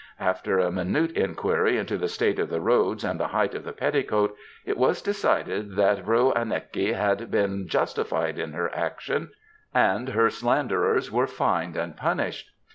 After a minute inquiry into the state of the roads and the height of the petticoat, it was decided that Vrouw Anneke had been justified in her action, and her slanderers were fined and punished.